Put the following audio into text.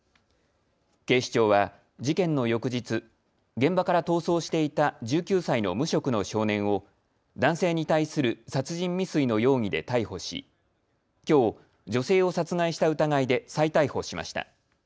警視庁は事件の翌日、現場から逃走していた１９歳の無職の少年を男性に対する殺人未遂の容疑で逮捕し、きょう女性を殺害した疑いで再逮捕しました。